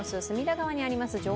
隅田川にあります